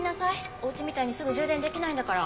お家みたいにすぐ充電できないんだから。